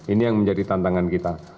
ini yang menjadi tantangan kita